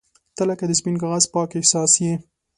• ته لکه د سپین کاغذ پاک احساس یې.